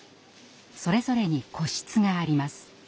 それぞれに個室があります。